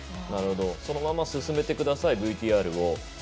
そのまま進めてくださいＶＴＲを。